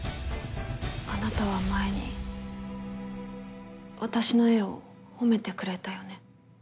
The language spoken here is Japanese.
あなたは前に私の絵を褒めてくれたよね。